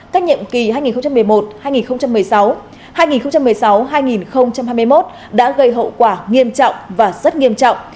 các nhiệm kỳ hai nghìn một mươi một hai nghìn một mươi sáu hai nghìn một mươi sáu hai nghìn hai mươi một đã gây hậu quả nghiêm trọng và rất nghiêm trọng